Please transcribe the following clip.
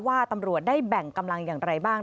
ว่าตำรวจได้แบ่งกำลังอย่างไรบ้าง